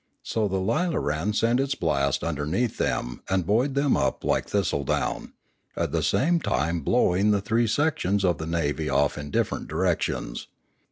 So the lilaran sent its blast under neath them and buoyed them up like thistledown, at the same time blowing the three sections of the navy off in different directions.